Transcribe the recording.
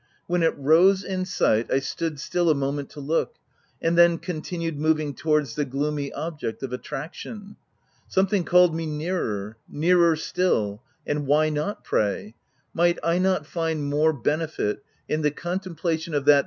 When it rose in sight, I stood still a moment to look, and then continued moving towards the gloomy object of attraction. Something called me nearer — nearer still — and why not, pray ? Might I not find more benefit in the contemplation of that OF WILDFELL HALL.